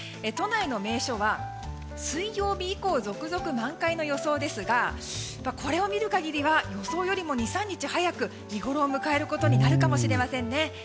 都内の名所は水曜日以降続々満開の予想ですがこれを見る限りは予想よりも２３日早く見ごろを迎えることになるかもしれませんね。